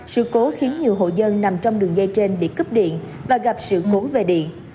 sự cố khiến nhiều hộ dân nằm trong đường dây trên bị cấp điện và gặp sự cố về điện